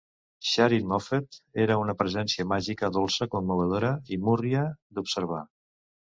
Sharyn Moffett era una presència màgica, dolça, commovedora i múrria d"observar.